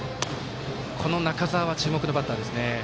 中澤は注目のバッターですね。